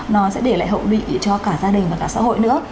nó sẽ để lại hậu bị cho cả gia đình và cả xã hội nữa